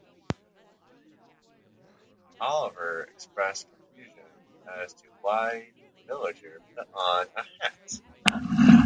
Oliver expressed confusion as to why the villager put on a hat.